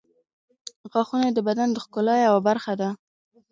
• غاښونه د بدن د ښکلا یوه برخه ده.